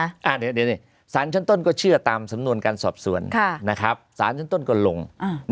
เดี๋ยวสารชั้นต้นก็เชื่อตามสำนวนการสอบสวนนะครับสารชั้นต้นก็ลง